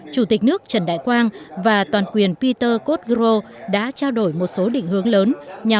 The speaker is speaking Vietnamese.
chủ tịch nước trần đại quang và toàn quyền peter cotterill đã trao đổi một số định hướng lớn